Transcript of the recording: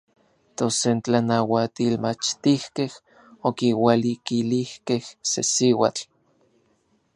Tos n tlanauatilmachtijkej okiualikilijkej se siuatl.